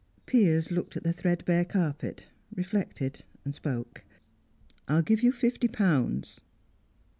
Piers looked at the threadbare carpet, reflected, spoke. "I'll give you fifty pounds."